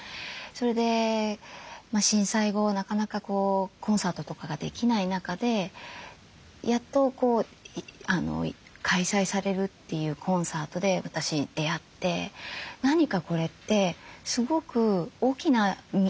それで震災後なかなかコンサートとかができない中でやっと開催されるっていうコンサートで私出会って何かこれってすごく大きな意味があるなって思ったんですね。